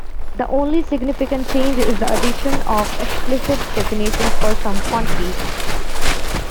The only significant change is the addition of explicit definitions for some quantities.